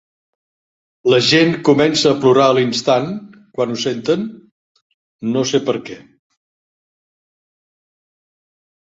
La gent comença a plorar a l"instant quan ho senten, no sé perquè.